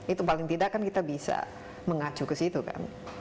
itu paling tidak kan kita bisa mengacu ke situ kan